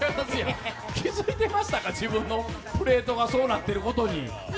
気付いてましたか、自分のプレートがそうなってることに。